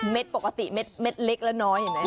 ปกติเม็ดเล็กแล้วน้อยเห็นไหม